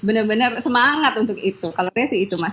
benar benar semangat untuk itu kalau saya sih itu mas